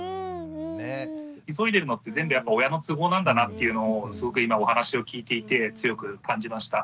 急いでるのって全部やっぱ親の都合なんだなっていうのをすごく今お話を聞いていて強く感じました。